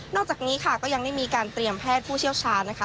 จากนี้ค่ะก็ยังได้มีการเตรียมแพทย์ผู้เชี่ยวชาญนะคะ